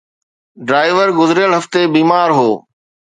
Driver گذريل هفتي بيمار هو.